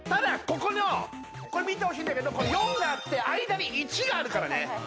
ここのこれ見てほしいんだけど４があって間に１があるからね